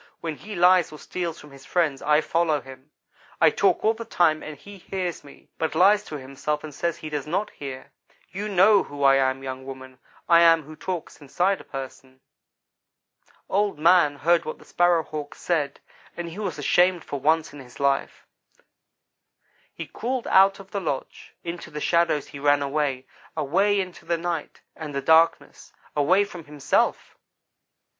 When he lies or steals from his friends I follow him. I talk all the time and he hears me, but lies to himself, and says he does not hear. You know who I am, young woman, I am what talks inside a person.' "Old man heard what the Sparrow hawk said, and he was ashamed for once in his life. He crawled out of the lodge. Into the shadows he ran away away into the night, and the darkness away from himself!